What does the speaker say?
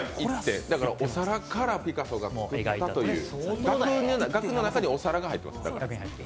お皿からピカソがという額の中にお皿が入ってます。